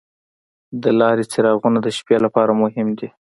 د لارې څراغونه د شپې لپاره مهم دي.